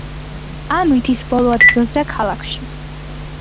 ამით ის ბოლო ადგილზეა ქალაქში.